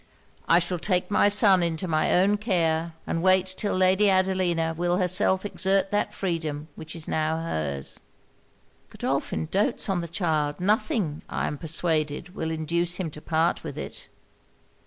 'I shall take my son into my own care, and wait till Lady Adelina will herself exert that freedom which is now her's.' 'Godolphin doats on the child. Nothing, I am persuaded, will induce him to part with it.'